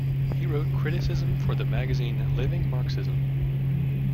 He wrote criticism for the magazine "Living Marxism".